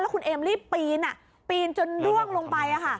คุณเอมรีบปีนปีนจนร่วงลงไป